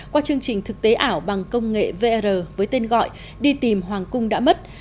qua chương trình thực tế ảo bằng công nghệ vr với tên gọi đi tìm hoàng cung đã mất